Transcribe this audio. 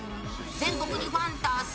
全国にファン多数。